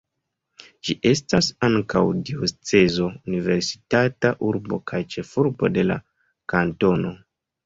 Ĝi estas ankaŭ diocezo, universitata urbo kaj ĉefurbo de la kantono.